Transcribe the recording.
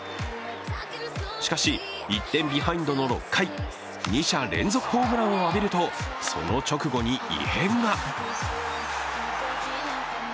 しかし、１点ビハインドの６回、２者連続ホームランを浴びると、その直後に異変が。